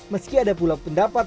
meski ada pula pendapat